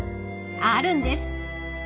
［あるんです］